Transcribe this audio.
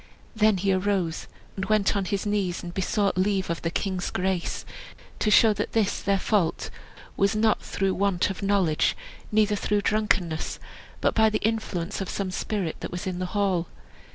Then he arose, and went on his knees, and besought leave of the king's grace to show that this their fault was not through want of knowledge, neither through drunkenness, but by the influence of some spirit that was in the hall.